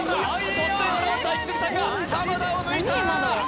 突然現れたイキスギさんが田を抜いた！